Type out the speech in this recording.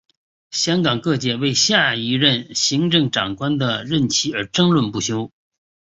香港各界为下一任行政长官的任期而争论不休。